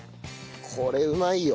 これうまいよ。